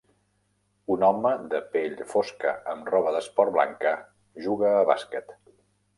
Un home de pell fosca amb roba d'esport blanca juga a basquet.